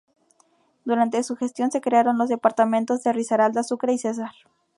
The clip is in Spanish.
Durante su gestión se crearon los departamentos de Risaralda, Sucre y Cesar.